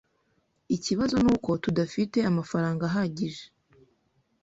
Ikibazo nuko tudafite amafaranga ahagije.